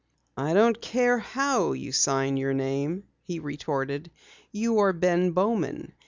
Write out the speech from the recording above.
"I don't care how you sign your name," he retorted. "You are Ben Bowman.